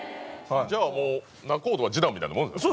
じゃあもう仲人はジダンみたいなもんですよね。